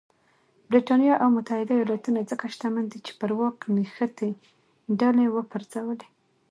برېټانیا او متحده ایالتونه ځکه شتمن دي چې پر واک نښتې ډلې وپرځولې.